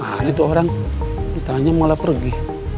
nah itu orang ditanya malah pergi